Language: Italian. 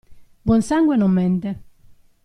Buon sangue non mente.